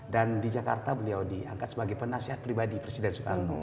dan di jakarta beliau diangkat sebagai penasihat pribadi presiden soekarno